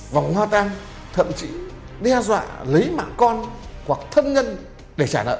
vòng hoa tang thậm chí đe dọa lấy mạng con hoặc thân nhân để trả nợ